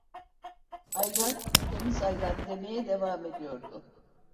Ayran, temiz ayran! demeye devam ediyordu.